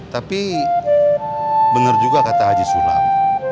tapi benar juga kata haji suram